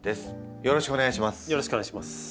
よろしくお願いします。